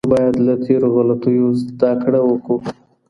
موږ باید له تېرو غلطیو زده کړه وکړو.